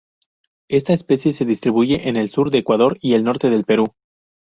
Esta especie se distribuye en el sur de Ecuador y el norte del Perú.